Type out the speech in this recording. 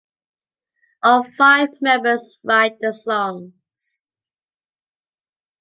All five members write the songs.